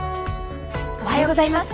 おはようございます。